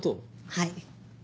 はい。